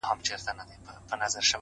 په سپورږمۍ كي زما پير دى.!